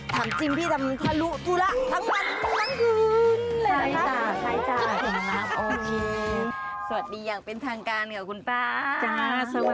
ทำจิ้มพี่ทำทะลุจุละทั้งวันคืนแหละนะครับ